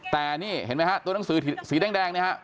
แต่นี่เห็นไหมฮะตัวหนังสือสีแดงเนี่ยฮะ